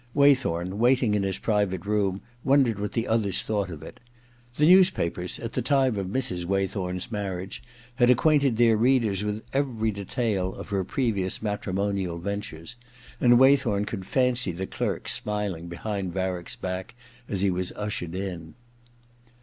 Waythorn, waiting in his private room, wondered what the others thought of it. The newspapers, at the time of Mrs. Waythorn*s marriage, had acquainted their readers with every detail of her previous matri monial ventures, and Waythorn could fancy the clerks smiling behind Varick's back as he was ushered in.